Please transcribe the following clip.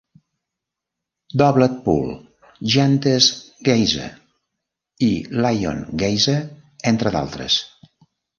Doublet Pool, Giantess Geyser i Lion Geyser, entre d'altres.